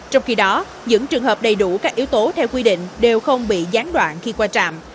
trong khi đó những trường hợp đầy đủ các yếu tố theo quy định đều không bị gián đoạn khi qua trạm